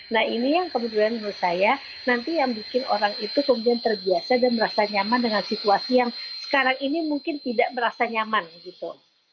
nah ini yang kemudian menurut saya nanti yang bikin orang itu kemudian terbiasa dan merasa nyaman dengan situasi yang sekarang ini mungkin tidak merasa nyaman gitu